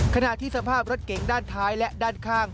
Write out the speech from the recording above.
ขณะที่สภาพรถเก๋งด้านท้ายและด้านข้าง